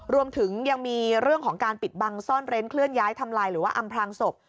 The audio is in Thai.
รวมถึงยังมีเรื่องของการปิดบังซ่อนเร้นเคลื่อนย้ายทำลายหรือว่าอำพลางศพ